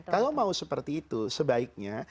kalau mau seperti itu sebaiknya